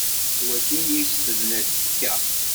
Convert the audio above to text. D wagi i yes-s tebna tfekka?